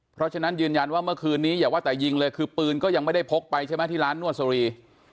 เพราะฉะนั้นยืนยันว่าเมื่อคืนนี้อย่าว่าแต่ยิงเลยคือปืนก็ยังไม่ได้พกไปใช่ไหมที่ร้านนวดสรี